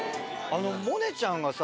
あの萌音ちゃんがさ